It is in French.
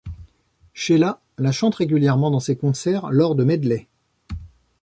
Sheila la chante régulièrement dans ses concerts, lors de medleys.